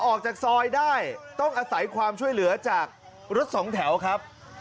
ออกจากซอยได้ต้องอาศัยความช่วยเหลือจากรถสองแถวครับ